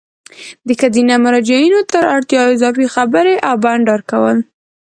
د ښځینه مراجعینو تر اړتیا اضافي خبري او بانډار کول